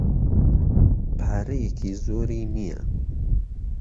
پارەیەکی زۆری نییە.